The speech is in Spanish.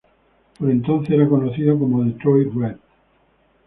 Por entonces era conocido como ""Detroit Red"".